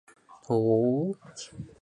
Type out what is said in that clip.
各朝间镇墓兽的大小差异也不大。